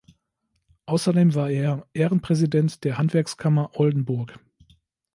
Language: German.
Außerdem war er Ehrenpräsident der Handwerkskammer Oldenburg.